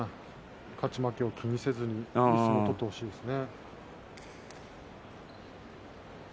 勝ち負けを気にせずに相撲を取ってほしいですね。